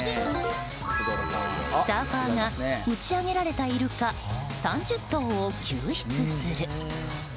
サーファーが打ち上げられたイルカ３０頭を救出する。